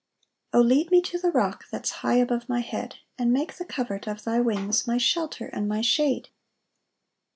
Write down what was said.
2 O lead me to the rock That's high above my head, And make the covert of thy wings My shelter and my shade.